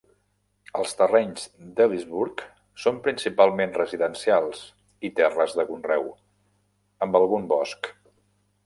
Els terrenys d'Elysburg són principalment residencials i terres de conreu, amb algun bosc.